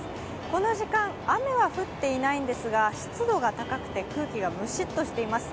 この時間、雨は降っていないんですが湿度が高くて空気がムシッとしています。